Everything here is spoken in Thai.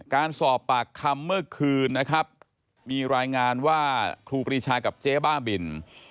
การสอบปากคำเมื่อคืนนะครับมีรายงานว่าครูปรีชากับเจ๊บ้าบิน